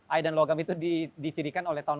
air dan logam itu dicirikan oleh tahun